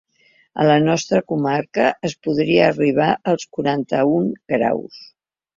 A la nostra comarca es podria arribar als quaranta-un graus.